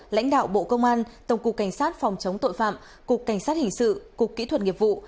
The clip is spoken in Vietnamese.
lãnh đạo bộ công an tổng cục cảnh sát phòng chống tội phạm cục cảnh sát hình sự cục kỹ thuật nghiệp vụ